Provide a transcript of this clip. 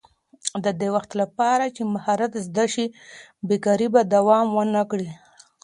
د دې لپاره چې مهارت زده شي، بېکاري به دوام ونه کړي.